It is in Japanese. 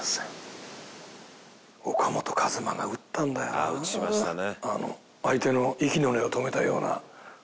「あっ打ちましたね」